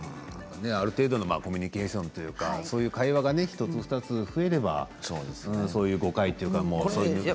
ある程度のコミュニケーションというかそういう会話が１つ２つ増えればそういう誤解というか。